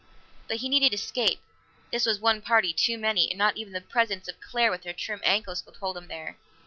But he had needed escape; this was one party too many, and not even the presence of Claire with her trim ankles could hold him there.